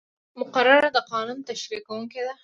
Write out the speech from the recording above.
مقرره د قانون تشریح کوونکې ده.